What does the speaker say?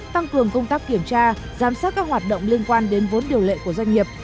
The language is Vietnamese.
tăng cường công tác kiểm tra giám sát các hoạt động liên quan đến vốn điều lệ của doanh nghiệp